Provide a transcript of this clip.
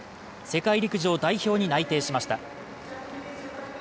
世界陸上代表に内定しました。